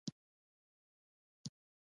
زه ووېرېدم او فکر مې وکړ چې جوزف څه شو